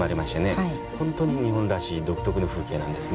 本当に日本らしい独特の風景なんですね。